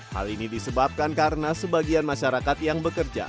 hal ini disebabkan karena sebagian masyarakat yang bekerja